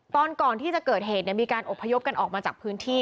ตอนก่อนที่จะเกิดเหตุมีการอบพยพกันออกมาจากพื้นที่